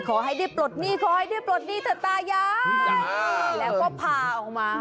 ขอให้ได้ปลดหนี้ขอให้ได้ปลดหนี้ต่อตายายแล้วก็พาออกมา